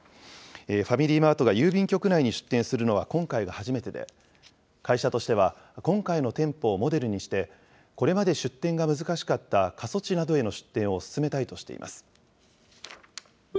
ファミリーマートが郵便局内に出店するのは今回が初めてで、会社としては、今回の店舗をモデルにして、これまで出店が難しかった過疎地などへの出店を進めたいとしています。